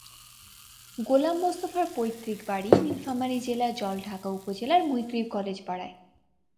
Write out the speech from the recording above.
গোলাম মোস্তফার পৈতৃক বাড়ি নীলফামারী জেলার জলঢাকা উপজেলার মৈত্রী কলেজ পাড়ায়।